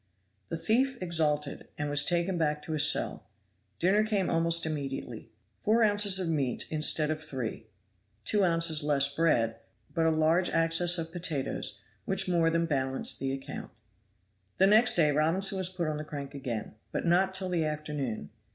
The thief exulted, and was taken back to his cell. Dinner came almost immediately. Four ounces of meat instead of three; two ounces less bread, but a large access of potatoes, which more than balanced the account. The next day Robinson was put on the crank again, but not till the afternoon.